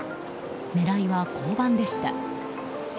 狙いは交番でした。